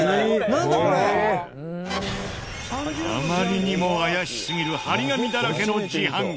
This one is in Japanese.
あまりにも怪しすぎる貼り紙だらけの自販機。